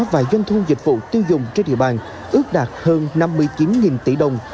và doanh thu dịch vụ tiêu dùng trên địa bàn ước đạt hơn năm mươi chín tỷ đồng